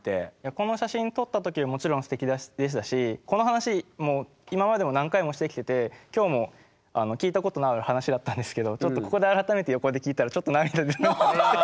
この写真撮った時もちろんすてきでしたしこの話今までも何回もしてきてて今日も聞いたことのある話だったんですけどちょっとここで改めて横で聞いたらちょっと涙出てきて。